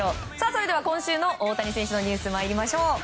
それでは今週の大谷選手のニュース参りましょう。